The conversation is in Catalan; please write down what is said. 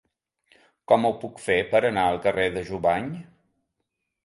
Com ho puc fer per anar al carrer de Jubany?